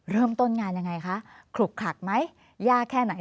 เริ่มต้นงานยังไงคะขลุกขลักไหมยากแค่ไหน